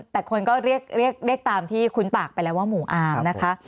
แต่คนก็เรียกตามที่คุ้นปากไปแล้วว่าหมู่อาร์มนะคะ